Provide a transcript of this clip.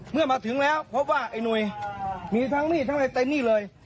เมื่อมาถึงแล้วพบว่าไอ้หนุ่ยมีทั้งหนี้ทั้งในเต็มหนี้เลย